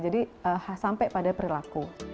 jadi sampai pada perilaku